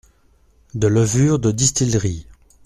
de levure de distillerie.